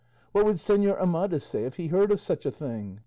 What would Señor Amadis say if he heard of such a thing?